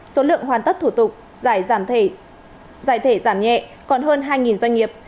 số lượng hoàn tất thủ tục giải thể giảm nhẹ còn hơn hai doanh nghiệp